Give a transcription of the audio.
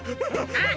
あっ。